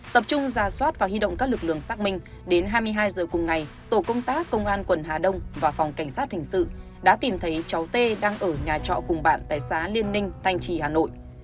tập trung ra soát và huy động các lực lượng xác minh đến hai mươi hai giờ cùng ngày tổ công tác công an quận hà đông và phòng cảnh sát hình sự đã tìm thấy cháu tê đang ở nhà trọ cùng bạn tại xã liên ninh thanh trì hà nội